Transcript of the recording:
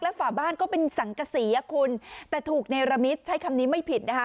ฝาบ้านก็เป็นสังกษีอ่ะคุณแต่ถูกเนรมิตใช้คำนี้ไม่ผิดนะคะ